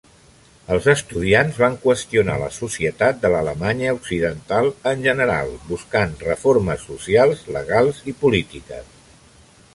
Els estudiants van qüestionar la societat de l'Alemanya Occidental en general, buscant reformes socials, legals i polítiques.